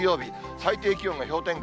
最低気温が氷点下